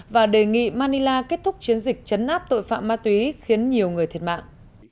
và đề nghị manila kết thúc chiến dịch chấn áp tội phạm ma túy khiến nhiều người thiệt mạng